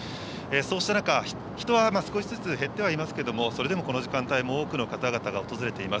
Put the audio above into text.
そうした中、人は少しずつ減ってはいますけれども、それでもこの時間帯も多くの方々が訪れています。